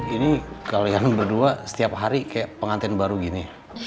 ini kalian berdua setiap hari kayak pengantin baru gini